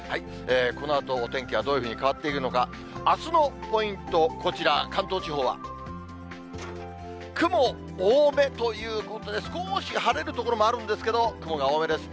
このあとお天気はどういうふうに変わっていくのか、あすのポイント、こちら、関東地方は雲多めということで、少し晴れる所もあるんですけど、雲が多めです。